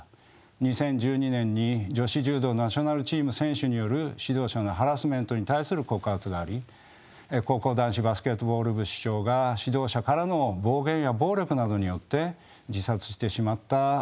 ２０１２年に女子柔道ナショナルチーム選手による指導者のハラスメントに対する告発があり高校男子バスケットボール部主将が指導者からの暴言や暴力などによって自殺してしまった問題が生起しました。